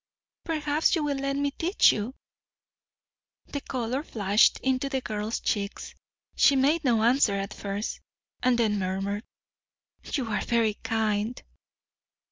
"Perhaps you will let me teach you?" The colour flashed into the girl's cheeks; she made no answer at first, and then murmured, "You are very kind!"